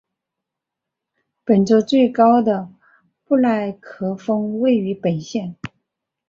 本州最高的布莱克峰位于本县。